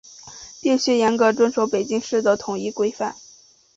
必须严格遵守北京市的统一规范